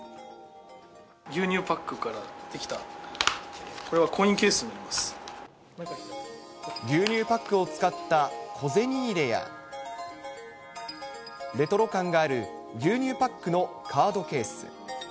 牛乳パックから出来た、牛乳パックを使った小銭入れや、レトロ感がある、牛乳パックのカードケース。